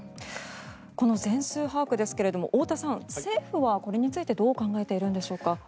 この全数把握ですけども太田さん政府はこれについてどう考えているんでしょうか。